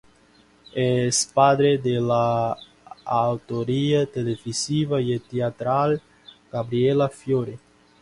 Es padre de la autora televisiva y teatral Gabriela Fiore.